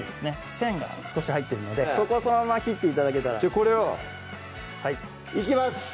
線が少し入ってるのでそこをそのまま切って頂けたらこれをいきます！